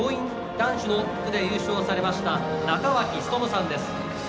男子の部で優勝されました中脇努さんです。